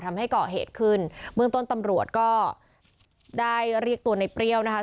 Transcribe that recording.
ทำให้เกาะเหตุขึ้นเบื้องต้นตำรวจก็ได้เรียกตัวในเปรี้ยวนะคะ